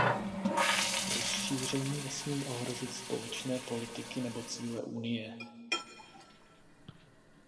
Rozšíření nesmí ohrozit společné politiky nebo cíle Unie.